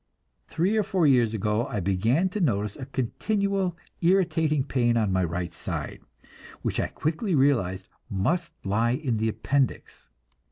Three or four years ago I began to notice a continual irritating pain in my right side, which I quickly realized must lie in the appendix.